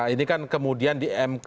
ini kan kemudian di mk